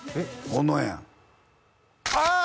小野やんああ！